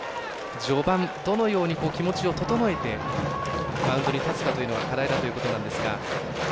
序盤、どのように気持ちを整えてマウンドに立つかというところが課題なんですが。